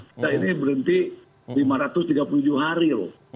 kita ini berhenti lima ratus tiga puluh tujuh hari loh